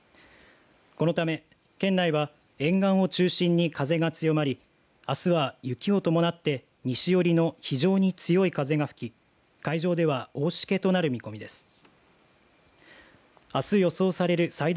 このため県内は沿岸を中心に風が強まりあすは雪を伴って西寄りの非常に強い風が吹き海上では大しけとなる見込みです。